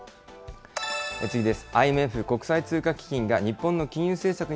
次です。